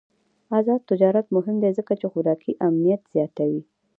آزاد تجارت مهم دی ځکه چې خوراکي امنیت زیاتوي.